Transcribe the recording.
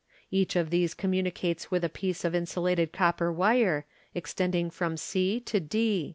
Each of these communicates with a piece of insulated copper wire, extending from c to d.